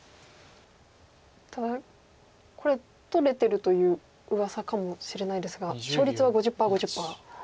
ただこれ取れてるといううわさかもしれないですが勝率は５０％５０％。